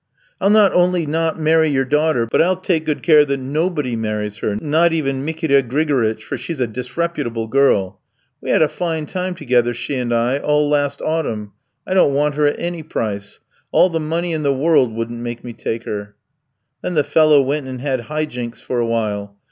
"'I'll not only not marry your daughter, but I'll take good care that nobody marries her, not even Mikita Grigoritch, for she's a disreputable girl. We had a fine time together, she and I, all last autumn. I don't want her at any price. All the money in the world wouldn't make me take her.' "Then the fellow went and had high jinks for a while.